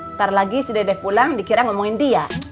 ntar lagi si dedek pulang dikira ngomongin dia